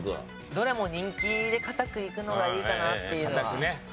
どれも人気で堅くいくのがいいかなっていうのは。